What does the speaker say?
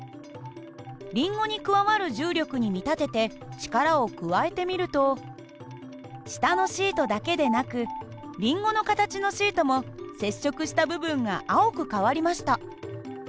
りんごに加わる重力に見立てて力を加えてみると下のシートだけでなくりんごの形のシートも接触した部分が青く変わりました。